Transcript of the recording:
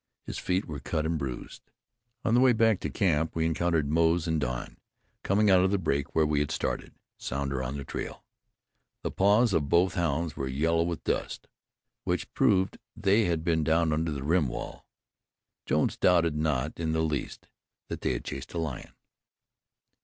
His feet were cut and bruised. On the way back to camp, we encountered Moze and Don coming out of the break where we had started Sounder on the trail. The paws of both hounds were yellow with dust, which proved they had been down under the rim wall. Jones doubted not in the least that they had chased a lion.